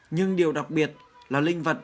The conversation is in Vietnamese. nhưng điều đặc biệt là linh vật